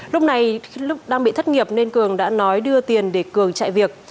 lúc này lúc đang bị thất nghiệp nên cường đã nói đưa tiền để cường chạy việc